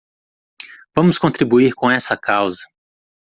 Vamos contribuir com essa causa.